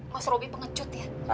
mas robi pengecut ya